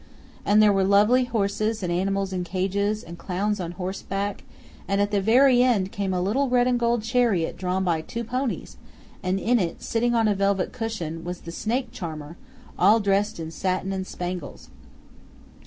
And there were lovely horses and animals in cages, and clowns on horseback; and at the very end came a little red and gold chariot drawn by two ponies, and in it, sitting on a velvet cushion, was the snake charmer, all dressed in satin and spangles.